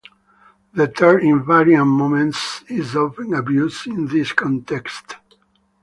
The term "invariant moments" is often abused in this context.